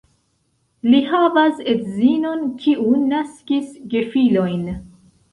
Li havas edzinon, kiu naskis gefilojn.